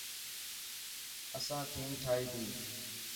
اسان ٿيم ٺائي تي.